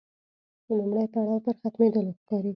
لومړی پړاو پر ختمېدلو ښکاري.